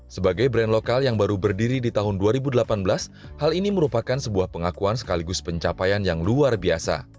sebagai brand lokal yang baru berdiri di tahun dua ribu delapan belas hal ini merupakan sebuah pengakuan sekaligus pencapaian yang luar biasa